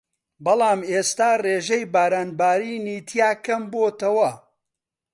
بەڵام ئێستا ڕێژەی باران بارینی تیا کەم بۆتەوە